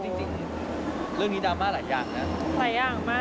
มันซื้อกลับมาไม่ได้นะครับ